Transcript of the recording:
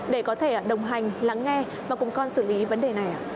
để có thể đồng hành lắng nghe và cùng con xử lý vấn đề này ạ